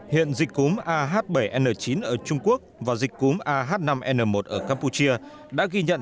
hiện dịch cúm ah bảy n chín ở trung quốc và dịch cúm ah năm n một ở campuchia đã ghi nhận